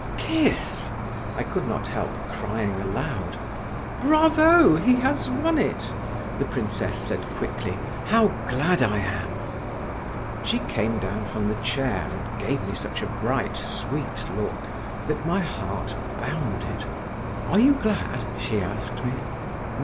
"Kiss!" I could not help crying aloud. "Bravo! he has won it," the princess said quickly. "How glad I am!" She came down from the chair and gave me such a bright sweet look, that my heart bounded. "Are you glad?" she asked me.